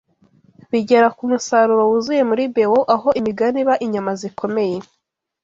bugera ku musaruro wuzuye muri Bewo aho imigani iba inyama zikomeye